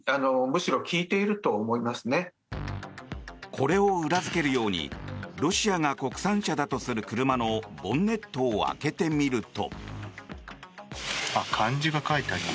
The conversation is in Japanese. これを裏付けるようにロシアが国産車だとする車のボンネットを開けてみると。